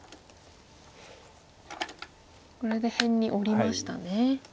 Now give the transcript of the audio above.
これで辺に下りましたね。